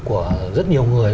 của rất nhiều người